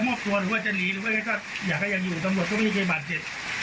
จะหอบตัวหรือว่าจะหนีหรือไม่ใช่ก็อยากให้ยังอยู่สำรวจก็ไม่เคยบาดเสร็จ